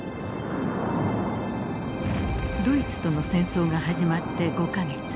ドイツとの戦争が始まって５か月。